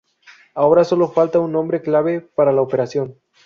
Ahora solo faltaba un nombre clave para la operación.